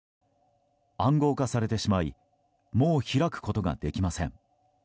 暗号化されてしまいもう開くことができません。